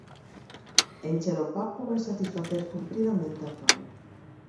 Encher o papo é satisfacer cumpridamente a fame.